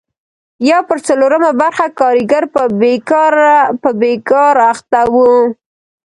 یو پر څلورمه برخه کارګر په بېګار اخته وو.